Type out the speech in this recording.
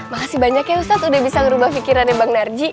makasih banyak ya ustadz udah bisa ngerubah pikirannya bang narji